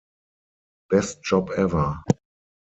Best job ever!